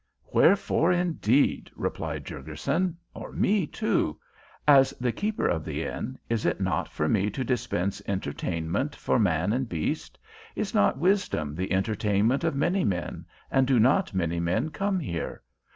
"Wherefore, indeed?" replied Jurgurson; "or me, too? As the keeper of the inn is it not for me to dispense entertainment for man and beast? Is not wisdom the entertainment of many men, and do not many men come here?